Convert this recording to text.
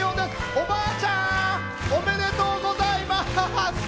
おばあちゃんおめでとうございます。